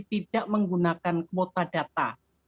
tidak menggunakan kota data